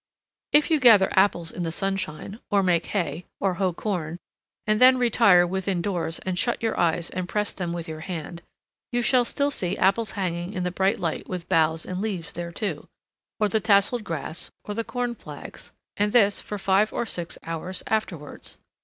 If you gather apples in the sunshine, or make hay, or hoe corn, and then retire within doors and shut your eyes and press them with your hand, you shall still see apples hanging in the bright light with boughs and leaves thereto, or the tasselled grass, or the corn flags, and this for five or six hours afterwards.